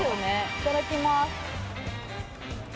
いただきます。